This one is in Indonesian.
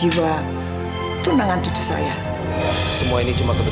begitu aida sadar